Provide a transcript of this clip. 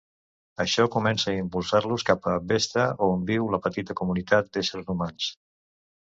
Això comença a impulsar-los cap a Vesta, on viu una petita comunitat d'éssers humans.